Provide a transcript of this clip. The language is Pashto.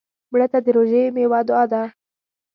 مړه ته د روژې میوه دعا ده